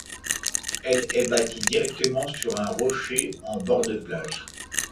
Elle est bâtie directement sur un rocher en bord de plage.